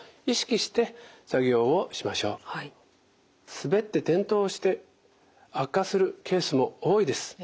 滑って転倒して悪化するケースも多いです。